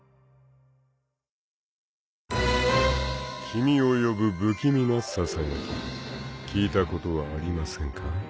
［君を呼ぶ不気味なささやき聞いたことはありませんか？］